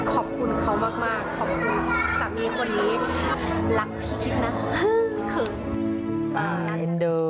ขอบคุณเขามากขอบคุณสามีคนนี้